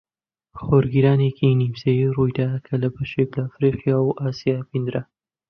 خۆرگیرانێکی نیمچەیی ڕوویدا کە لە بەشێک لە ئەفریقا و ئاسیا بیندرا